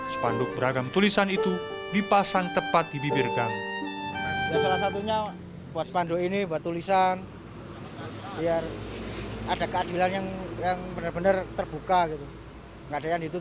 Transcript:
sepanduk beragam tulisan itu dipasang tepat di bibir gang